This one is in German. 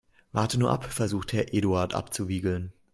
Warte nur ab, versucht Herr Eduard abzuwiegeln.